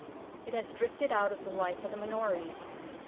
It has drifted out of the life of the Minories.